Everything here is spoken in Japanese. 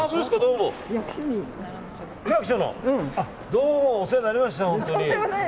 どうもお世話になりました。